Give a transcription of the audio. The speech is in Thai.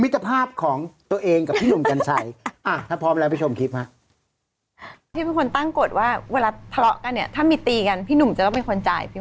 ข่าวครึ่งชั่วโมงเหนื่อยมากเลย